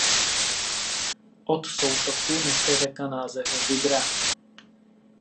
Od soutoku nese řeka název Vydra.